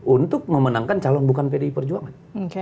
untuk memenangkan calon bukan pdi perjuangan